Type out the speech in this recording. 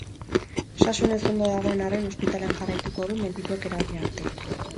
Osasunez ondo dagoen arren ospitalean jarraituko du medikuek erabaki arte.